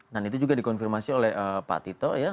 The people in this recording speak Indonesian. dan itu juga dikonfirmasi oleh pak tito ya